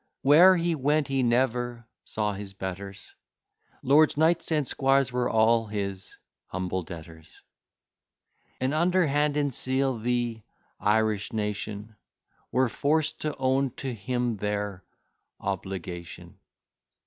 Where'er he went, he never saw his betters; Lords, knights, and squires, were all his humble debtors; And under hand and seal, the Irish nation Were forc'd to own to him their obligation.